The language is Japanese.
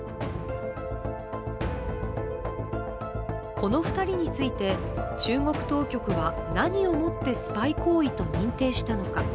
この２人について、中国当局は何をもってスパイ行為と認定したのか。